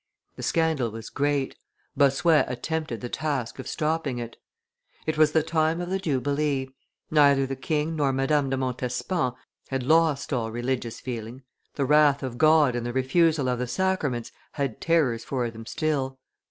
The scandal was great; Bossuet attempted the task of stopping it. It was the time of the Jubilee: neither the king nor Madame de Montespan had lost all religious feeling; the wrath of God and the refusal of the sacraments had terrors for them still.